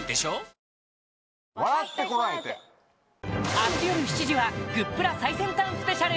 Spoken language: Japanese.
あす夜７時はグップラ最先端スペシャル！